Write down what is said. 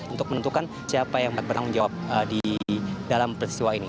untuk menentukan siapa yang bertanggung jawab di dalam peristiwa ini